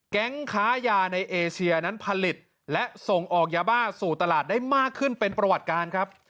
แก๊งค้ายาในเอเชียนั้นผลิตและส่งออกยาบ้าสู่ตลาดได้มากขึ้นเป็นประวัติการครับ